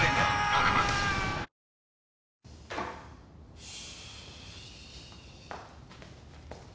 よし。